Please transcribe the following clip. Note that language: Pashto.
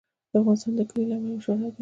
افغانستان د کلي له امله شهرت لري.